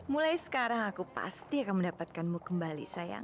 mulai sekarang aku pasti akan mendapatkanmu kembali sayang